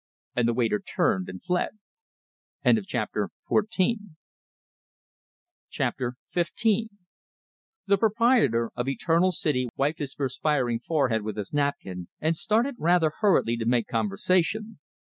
And the waiter turned and fled. XV The proprietor of Eternal City wiped his perspiring forehead with his napkin, and started rather hurriedly to make conversation.